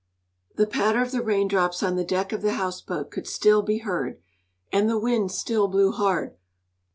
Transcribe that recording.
The patter of the raindrops on the deck of the houseboat could still be heard, and the wind still blew hard.